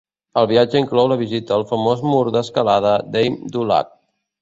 El viatge inclou la visita al famós mur d'escalada Dame Du Lac.